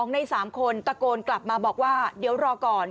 ใน๓คนตะโกนกลับมาบอกว่าเดี๋ยวรอก่อน